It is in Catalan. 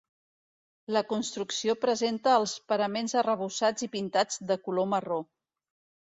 La construcció presenta els paraments arrebossats i pintats de color marró.